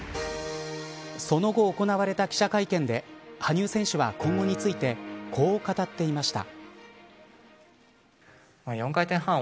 その後、行われた記者会見で羽生選手は今後についてこう語っていました。